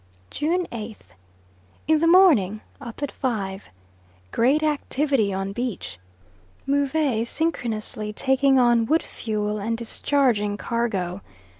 June 8th. In the morning, up at five. Great activity on beach. Move synchronously taking on wood fuel and discharging cargo.